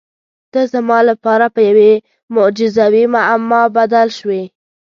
ته زما لپاره په یوې معجزوي معما بدل شوې.